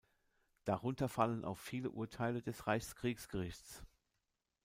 Darunter fallen auch viele Urteile des Reichskriegsgerichts.